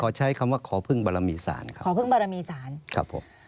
ขอใช้คำว่าขอพึ่งบรรมีศาลครับ